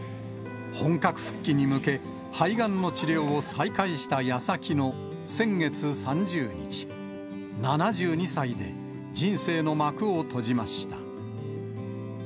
本格復帰に向け、肺がんの治療を再開したやさきの先月３０日、７２歳で人生の幕を閉じました。